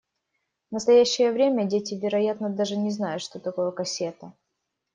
В настоящее время дети, вероятно, даже не знают, что такое кассета.